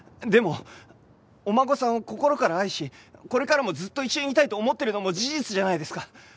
でもお孫さんを心から愛しこれからもずっと一緒にいたいと思ってるのも事実じゃないですか？